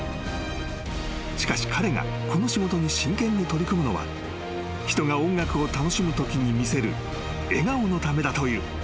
［しかし彼がこの仕事に真剣に取り組むのは人が音楽を楽しむときに見せる笑顔のためだという］